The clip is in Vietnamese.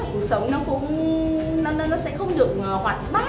cuộc sống nó sẽ không được hoạt bát không được vui vẻ không được thoải mái